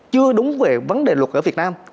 chưa đúng về vấn đề luật ở việt nam